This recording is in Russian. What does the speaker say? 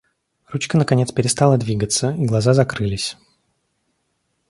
Ручка наконец перестала двигаться, и глаза закрылись.